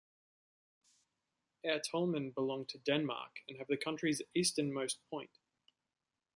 Ertholmene belong to Denmark and have the country's easternmost point.